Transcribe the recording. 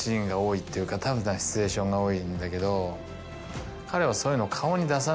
タフなシチュエーションが多いんだけど。